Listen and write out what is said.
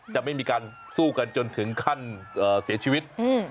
จะไม่มีการสู้กันจนถึงขั้นเสียชีวิต